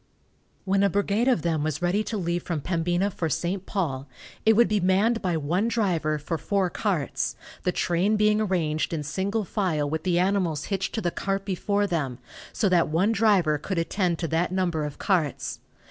When a brigade of them was ready to leave from Pembina for St. Paul, it would be manned by one driver for four carts, the train being arranged in single file with the animals hitched to the cart before them, so that one driver could attend to that number of carts.